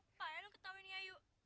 ngapain lu ketawainnya yu